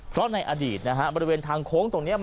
เพราะในอดีตประเมนทางโค้งตรงนี้